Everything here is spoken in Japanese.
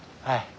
はい。